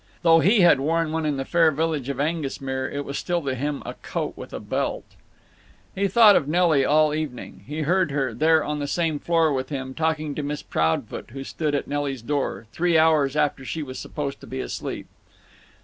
Though he had worn one in the fair village of Aengusmere, it was still to him a "coat with a belt." He thought of Nelly all evening. He heard her—there on the same floor with him—talking to Miss Proudfoot, who stood at Nelly's door, three hours after she was supposed to be asleep.